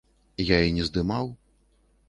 Я і не здымаў.